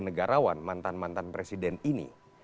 negarawan mantan mantan presiden ini